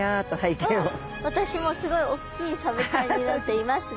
私もすごいおっきいサメちゃんになっていますね。